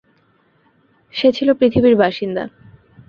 সে ছিল পৃথিবীর বাসিন্দা।